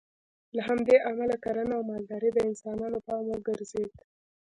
له همدې امله کرنه او مالداري د انسانانو پام وګرځېد